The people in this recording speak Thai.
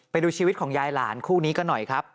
ไปดูชีวิตของยายหลานคู่นี้ก็หน่อยครับ